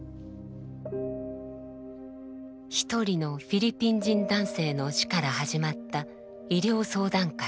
一人のフィリピン人男性の死から始まった医療相談会。